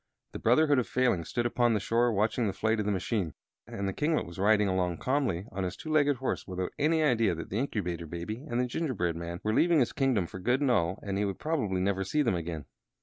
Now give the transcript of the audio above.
The Brotherhood of Failings stood upon the shore watching the flight of the machine, and the kinglet was riding along calmly upon his two legged horse without any idea that the Incubator Baby and the gingerbread man were leaving his kingdom for good and all and he would probably never see them again.